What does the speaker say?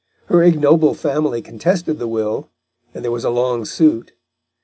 Her ignoble family contested the will, and there was a long suit.